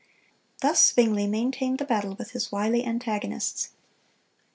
Thus Zwingle maintained the battle with his wily antagonists.